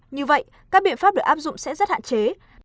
như vậy các biện pháp được áp dụng sẽ rất hạn chế